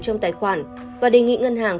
trong tài khoản và đề nghị ngân hàng